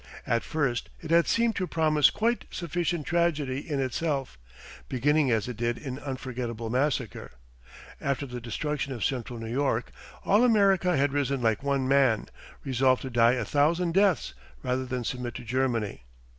At first it had seemed to promise quite sufficient tragedy in itself beginning as it did in unforgettable massacre. After the destruction of central New York all America had risen like one man, resolved to die a thousand deaths rather than submit to Germany.